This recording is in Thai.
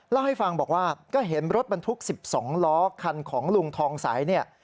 เล่าให้ฟังบอกว่าก็เห็นรถบรรทุก๑๒ล้อคันของลุงทองใสเนี่ย